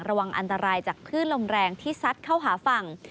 ระวังอันตรายจากคลื่นลมแรงที่ซัดเข้าหาฝั่ง